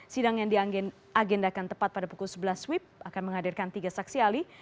sidang yang diagendakan tepat pada pukul sebelas wib akan menghadirkan tiga saksi ahli